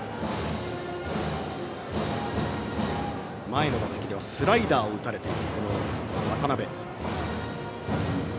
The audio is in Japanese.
前の打席ではスライダーを打たれている渡辺。